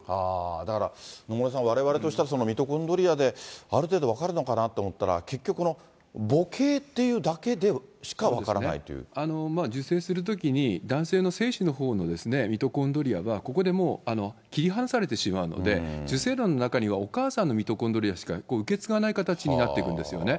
だから野村さん、われわれとしたらミトコンドリアである程度、分かるのかなと思ったら、結局、母系っていうだけでしか分からな受精するときに、男性の精子のほうのミトコンドリアがここでもう切り離されてしまうので、受精卵の中にはお母さんのミトコンドリアしか受け継がない形になっていくんですよね。